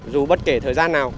dù bất kể thời gian nào